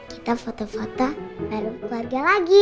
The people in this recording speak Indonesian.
kita foto foto baru keluarga lagi